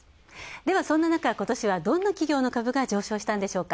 では、そんななかことしは、どんな企業の株が上昇したんでしょうか？